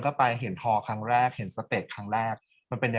กากตัวทำอะไรบ้างอยู่ตรงนี้คนเดียว